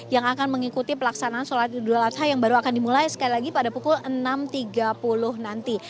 yang akan mengikuti pelaksanaan sholat idul adha yang baru akan dimulai sekali lagi pada pukul enam tiga puluh nanti